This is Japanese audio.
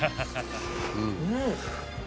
うん！